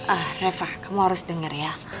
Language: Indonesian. ah reva kamu harus dengar ya